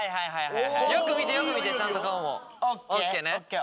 よく見てよく見てちゃんと顔も。